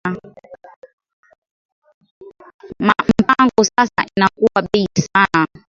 Ma mpango sasa inakuwa beyi sana